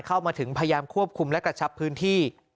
เข้ามาถึงพยายามควบคุมและกระชับพื้นที่